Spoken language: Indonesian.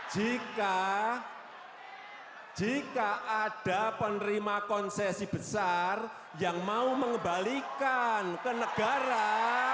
jika ada penerima konsesi besar yang mau mengembalikan ke negara